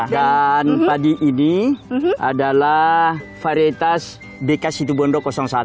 dan padi ini adalah varietas bk situbondo satu